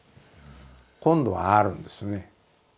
今度はあるんですよね。